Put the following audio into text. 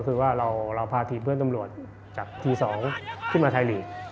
คือว่าเราพาทีมเพื่อนตำรวจจากที๒ขึ้นมาไทยลีก